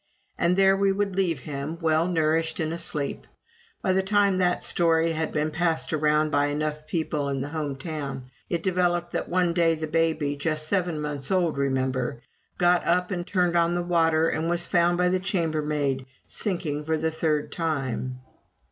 And there we would leave him, well nourished and asleep. (By the time that story had been passed around by enough people in the home town, it developed that one day the baby just seven months old, remember got up and turned on the water, and was found by the chambermaid sinking for the third time.)